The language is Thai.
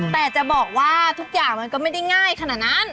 แต่จะบอกว่าทุกอย่างมันก็ไม่ได้ง่ายขนาดนั้น